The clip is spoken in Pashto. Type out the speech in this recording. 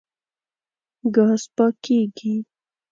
ګاز پاکېږي.